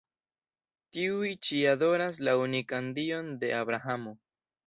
Tiuj ĉi adoras la unikan Dion de Abrahamo.